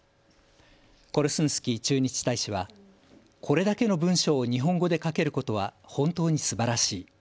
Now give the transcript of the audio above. コルスンスキー駐日大使は、これだけの文章を日本語で書けることは本当にすばらしい。